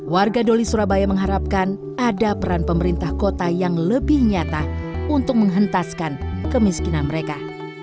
warga doli surabaya mengharapkan ada peran pemerintah kota yang lebih nyata untuk menghentaskan kemiskinan mereka